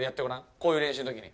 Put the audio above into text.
こういう練習のときに。